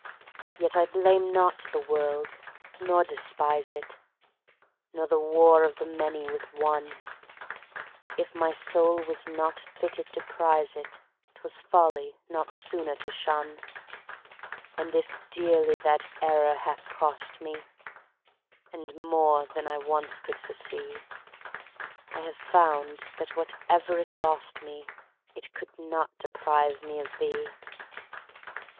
Yet I blame not the world, nor despise it, Nor the war of the many with one; If my soul was not fitted to prize it,'Twas folly not sooner to shun:And if dearly that error hath cost me, And more than I once could foresee,I have found that, whatever it lost me, It could not deprive me of thee.